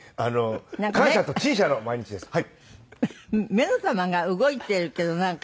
目の玉が動いてるけどなんか。